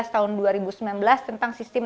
tahun dua ribu sembilan belas tentang sistem